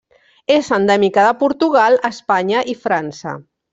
És endèmica de Portugal, Espanya i França.